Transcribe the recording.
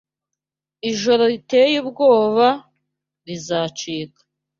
Ijoro riteye ubwoba rizacika